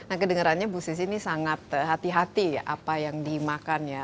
nah kedengerannya bu sis ini sangat hati hati ya apa yang dimakan ya